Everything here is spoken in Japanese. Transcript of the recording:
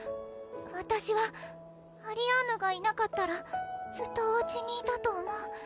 私はアリアーヌがいなかったらずっとおうちにいたと思う